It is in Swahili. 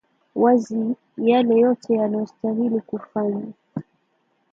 wazi yale yote yanayostahili kufanywa